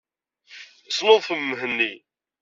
Snuḍfem Mhenni.